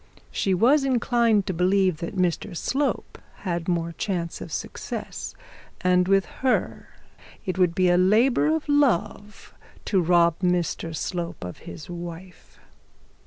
She was inclined to believe that Mr Slope had more chance of success; and with her it would be a labour of love to rob Mr Slope of his wife.